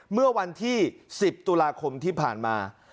เมื่อวันที่๑๐ตุลาคมที่ผ่านมา